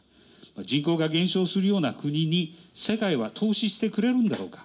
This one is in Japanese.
人口が減少するような国に、世界は投資してくれるんだろうか。